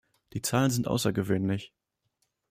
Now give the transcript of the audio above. Die Zahlen sind außergewöhnlich.